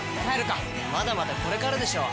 まだまだこれからでしょ！